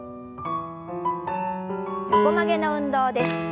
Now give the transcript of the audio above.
横曲げの運動です。